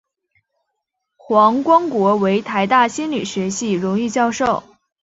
黄光国为台大心理学系荣誉教授。